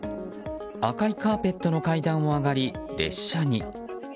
赤いカーペットの階段を上がり列車に。